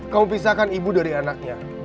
kau pisahkan ibu dari anaknya